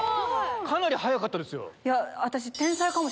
かなり早かったですよ。